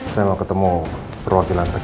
saya mau ketemu perwakilan